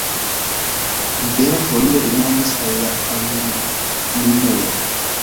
Libera Folio demandis al la anonimulo.